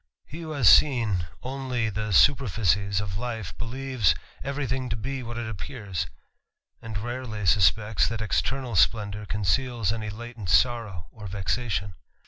He who .bas seen only the superficies of life beljeve3_ every thing to t>e what it appears, and rarely suspects chat._ extern^ spTehHour conceals any latent sorrow or vexation.